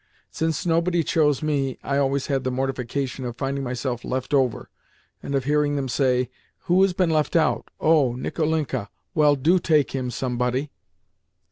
Since nobody chose me, I always had the mortification of finding myself left over, and of hearing them say, "Who has been left out? Oh, Nicolinka. Well, do take him, somebody."